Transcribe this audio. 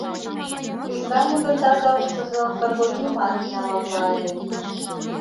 Кресаньыкын таза ушыжо Кыргорийымат винаматла ыле.